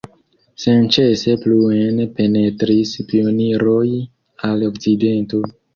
Senĉese pluen penetris pioniroj al okcidento.